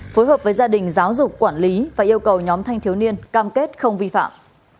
phối hợp với gia đình giáo dục quản lý và yêu cầu nhóm thanh thiếu niên cam kết không vi phạm